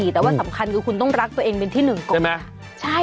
แต่สำคัญคือคุณต้องรักตัวเองเป็นที่๑กด